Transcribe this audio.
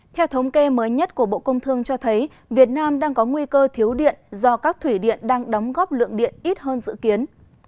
theo thống kê mới nhất của bộ công thương cho thấy việt nam đang có nguy cơ thiếu điện do các thủy điện đang đóng góp lượng điện ít hơn dự kiến